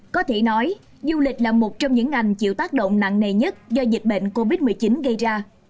có thể nói du lịch là một trong những ngành chịu tác động nặng nề nhất do dịch bệnh covid một mươi chín gây ra